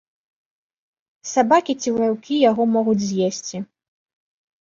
Сабакі ці ваўкі яго могуць з'есці.